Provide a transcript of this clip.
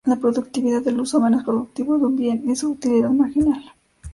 La productividad del uso menos productivo de un bien es su utilidad marginal.